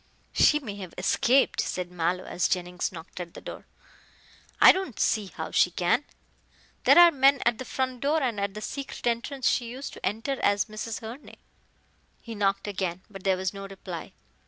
"She may have escaped," said Mallow, as Jennings knocked at the door. "I don't see how she can. There are men at the front door and at a secret entrance she used to enter as Mrs. Herne." He knocked again, but there was no reply.